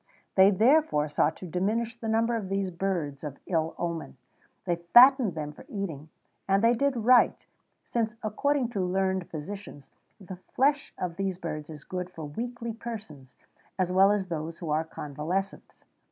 They therefore sought to diminish the number of these birds of ill omen; they fattened them for eating, and they did right, since, according to learned physicians, the flesh of these birds is good for weakly persons, as well as those who are convalescent.